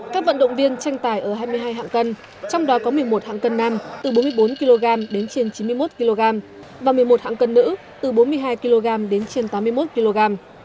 các vận động viên tranh tài ở hai mươi hai hạng cân trong đó có một mươi một hạng cân nam từ bốn mươi bốn kg đến trên chín mươi một kg và một mươi một hạng cân nữ từ bốn mươi hai kg đến trên tám mươi một kg